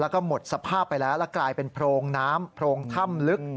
แล้วก็หมดสภาพไปแล้วแล้วกลายเป็นโพรงน้ำโพรงถ้ำลึก